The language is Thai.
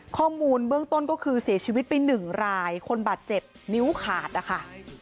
ข้อมูลเบื้องต้นก็คือเสียชีวิตไปหนึ่งรายคนบาดเจ็บนิ้วขาดนะคะ